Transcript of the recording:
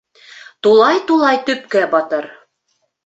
Тулай-тулай төпкә батыр